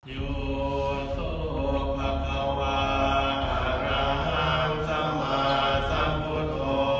อยู่ทุกภักดาวาอักราฮังสัมมาสัมพุทธ